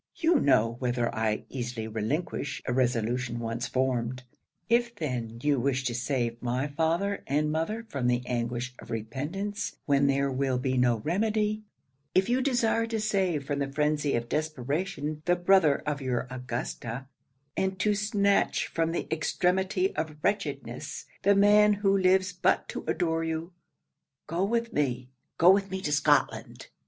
You know whether I easily relinquish a resolution once formed. If then you wish to save my father and mother from the anguish of repentance when there will be no remedy if you desire to save from the frenzy of desperation the brother of your Augusta, and to snatch from the extremity of wretchedness the man who lives but to adore you, go with me go with me to Scotland!'